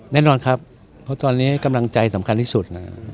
แน่นอนครับเพราะตอนนี้กำลังใจสำคัญที่สุด